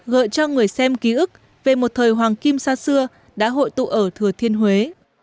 gợi cho người xem ký ức về một thời hoàng kim xa xưa đã hội tụ ở thừa thiên huế